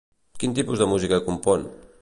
Quin tipus de música compon?